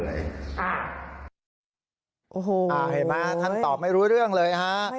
เห็นมาท่านตอบไม่รู้เรื่องเลย